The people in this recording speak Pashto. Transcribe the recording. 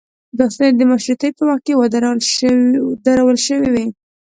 دا ستنې د مشروطې په وخت کې درول شوې وې.